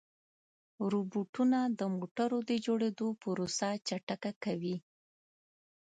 روبوټونه د موټرو د جوړېدو پروسه چټکه کوي.